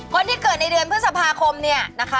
คนที่เกิดในเดือนพฤษภาคมเนี่ยนะคะ